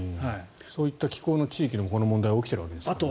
そういった気候の地域でもこの問題が起きているわけですからね。